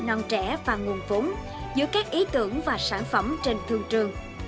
non trẻ và nguồn vốn giữa các ý tưởng và sản phẩm trên thương trường